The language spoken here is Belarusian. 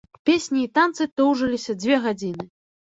Песні і танцы доўжыліся дзве гадзіны.